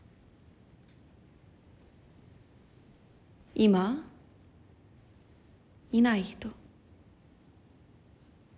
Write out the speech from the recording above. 今いない人。